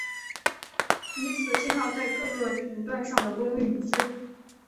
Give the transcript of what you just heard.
即此信号在各个频段上的功率一致。